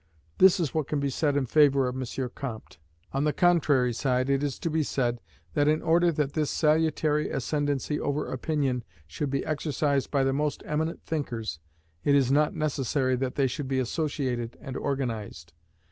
This is what can be said in favour of M. Comte. On the contrary side it is to be said, that in order that this salutary ascendancy over opinion should be exercised by the most eminent thinkers, it is not necessary that they should be associated and organized.